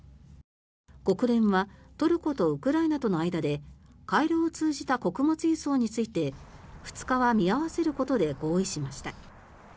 国連はトルコとウクライナとの間で回廊を通じた穀物輸送について２日は見合わせることで合意しました。